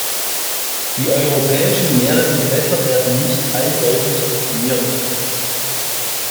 Die europäischen Meeresgewässer werden nicht eindeutig definiert.